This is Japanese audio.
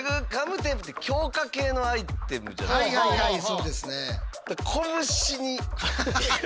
そうですね。